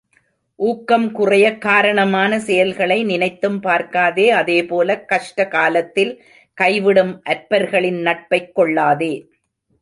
ஊக்கம் குறையக் காரணமான செயல்களை நினைத்தும் பார்க்காதே அதேபோலக் கஷ்ட காலத்தில் கைவிடும் அற்பர்களின் நட்பைக் கொள்ளாதே.